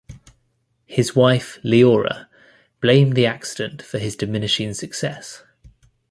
His wife, Leora, blamed the accident for his diminishing success.